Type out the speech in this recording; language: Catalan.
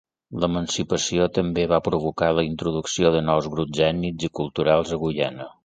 L'emancipació també va provocar la introducció de nous grups ètnics i culturals a Guyana.